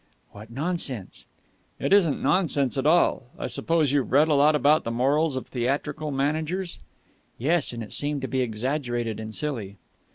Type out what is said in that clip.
"What nonsense!" "It isn't nonsense at all. I suppose you've read a lot about the morals of theatrical managers...." "Yes. And it seemed to be exaggerated and silly."